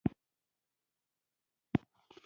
سیټ گودن وایي راتلونکی فصل په خپله جوړ کړئ.